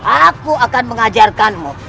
aku akan mengajarkanmu